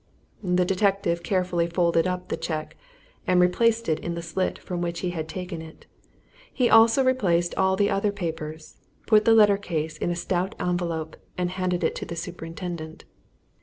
The detective carefully folded up the cheque and replaced it in the slit from which he had taken it. He also replaced all the other papers, put the letter case in a stout envelope and handed it to the superintendent.